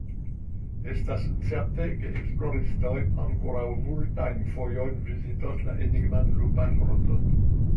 Estas certe, ke esploristoj ankoraŭ multajn fojojn vizitos la enigman Lupan Groton.